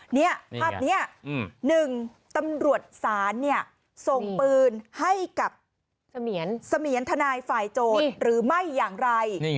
นี่ภาพนี้๑ตำรวจศาลเนี่ยส่งปืนให้กับเสมียนทนายฝ่ายโจทย์หรือไม่อย่างไร